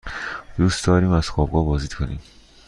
دوست داریم از خوابگاه بازدید کنیم.